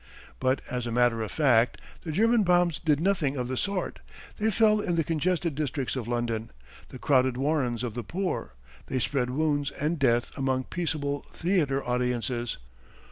But as a matter of fact the German bombs did nothing of the sort. They fell in the congested districts of London, "the crowded warrens of the poor." They spread wounds and death among peaceable theatre audiences.